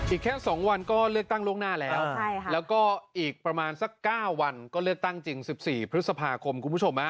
อีกแค่๒วันก็เลือกตั้งล่วงหน้าแล้วแล้วก็อีกประมาณสัก๙วันก็เลือกตั้งจริง๑๔พฤษภาคมคุณผู้ชม